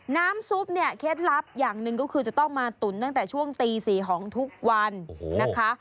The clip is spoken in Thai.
น้ำซุปเนี่ยเคล็ดลับอย่างหนึ่งก็คือจะต้องมาตุ๋นตั้งแต่ช่วงตี๔ของทุกวันนะคะ